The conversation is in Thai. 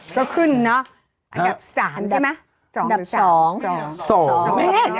ก็ขึ้นเนอะอันดับ๓ใช่ไหม